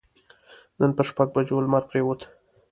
نن پر شپږ بجو لمر پرېوت.